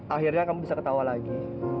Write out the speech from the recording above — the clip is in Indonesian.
akhirnya kamu bisa ketawa lagi